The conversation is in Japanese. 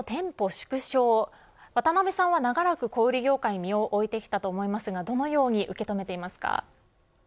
縮小渡辺さんは長らく小売り業界に身を置いてきたと思いますがどのように受け止めていますか。